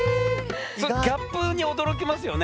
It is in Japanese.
そのギャップに驚きますよね。